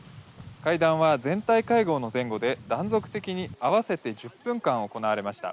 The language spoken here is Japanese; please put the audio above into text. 会談は全体会合の前後で断続的に合わせて１０分間、行われました。